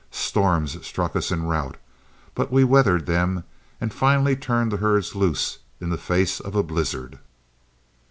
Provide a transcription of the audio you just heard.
Storms struck us en route, but we weathered them, and finally turned the herds loose in the face of a blizzard.